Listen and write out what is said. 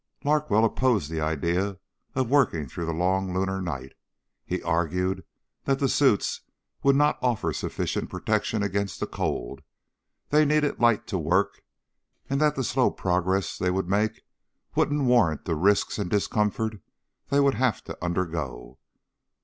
Larkwell opposed the idea of working through the long lunar night. He argued that the suits would not offer sufficient protection against the cold, they needed light to work, and that the slow progress they would make wouldn't warrant the risks and discomfort they would have to undergo.